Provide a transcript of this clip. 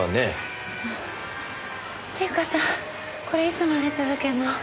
これいつまで続けんの？